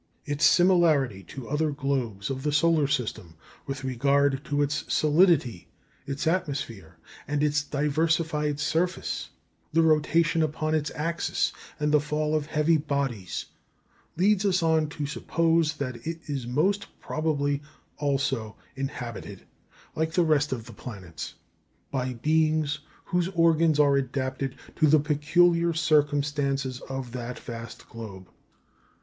Its similarity to the other globes of the solar system with regard to its solidity, its atmosphere, and its diversified surface, the rotation upon its axis, and the fall of heavy bodies, leads us on to suppose that it is most probably also inhabited, like the rest of the planets, by beings whose organs are adapted to the peculiar circumstances of that vast globe."